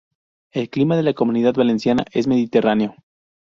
El clima de la Comunidad Valenciana es mediterráneo.